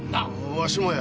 わしもや。